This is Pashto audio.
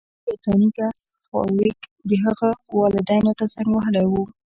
شیطاني ګس فارویک د هغه والدینو ته زنګ وهلی و